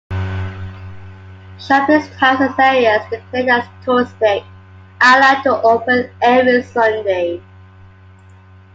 Shops in towns and areas declared as touristic are allowed to open every Sunday.